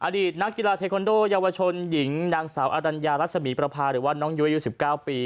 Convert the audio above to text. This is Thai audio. อดีตนักกีฬาเทคอนโดเยาวชนหญิงนางสาวอรัญญารัศมีประพาหรือว่าน้องยุ้ยอายุ๑๙ปี